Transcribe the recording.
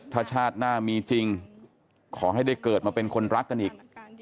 ถ้าชาติหน้ามีจริงขอให้ได้เกิดมาเป็นคนรักกันอีก